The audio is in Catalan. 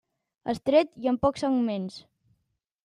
Estret i amb pocs segments.